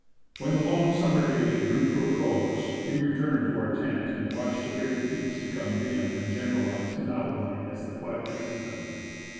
When the long summer day drew to a close, we returned to our tent and watched the great peaks become dim and generalized in outline as the twilight deepened.